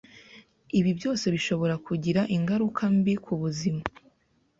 Ibi byose bishobora kugira ingaruka mbi ku buzima